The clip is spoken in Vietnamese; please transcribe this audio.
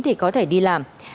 thì có thể đi làm